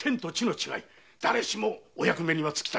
だれしもお役目には就きたい。